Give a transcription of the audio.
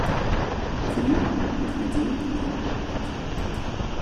Время подходило к трем ночи.